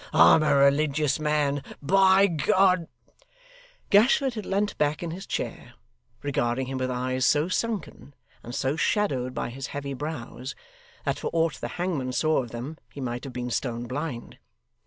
I'm a religious man, by G !' Gashford had leant back in his chair, regarding him with eyes so sunken, and so shadowed by his heavy brows, that for aught the hangman saw of them, he might have been stone blind.